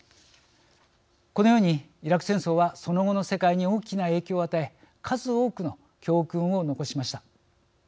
このように、イラク戦争はその後の世界に大きな影響を与え数多くの教訓を残しました。